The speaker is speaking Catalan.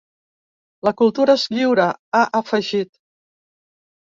La cultura és lliure, ha afegit.